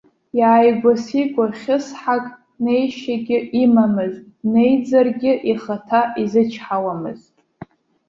Иааигәа-сигәа хьысҳак неишьагьы имамызт, днеиӡаргьы ихаҭа изычҳауамызт.